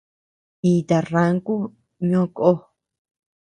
Ita ranku ñoʼo kó.